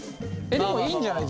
でもいいんじゃない？